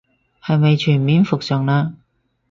係咪全面復常嘞